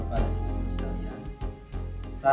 bisa gak mau pisah bu